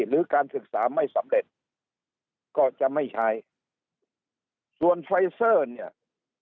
หรือการศึกษาไม่สำเร็จก็จะไม่ใช้ส่วนไฟเซอร์เนี่ย